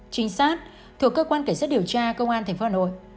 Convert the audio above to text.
trinh sát thuộc cơ quan kể sát điều tra công an thành phố hà nội